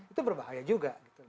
itu berbahaya juga